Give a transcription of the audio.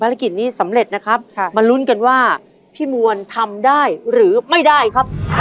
ภารกิจนี้สำเร็จนะครับมาลุ้นกันว่าพี่มวลทำได้หรือไม่ได้ครับ